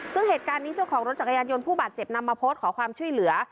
ซึ่งเหตุการณ์นี้เจ้าของรถจักรยานยนต์ผู้บาดเจ็บนำมาโพสต์ขอความช่วยเหลือ